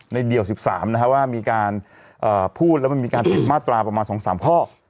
เดี่ยว๑๓ว่ามีการพูดแล้วมันมีการผิดมาตราประมาณ๒๓ข้อ